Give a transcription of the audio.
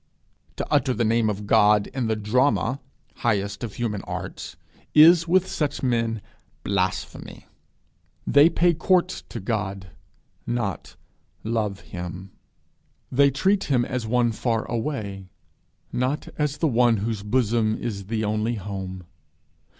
To utter the name of God in the drama highest of human arts, is with such men blasphemy. They pay court to God, not love him; they treat him as one far away, not as the one whose bosom is the only home.